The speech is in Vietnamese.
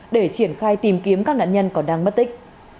để triển khai tìm kiếm các nạn nhân còn đang mất tích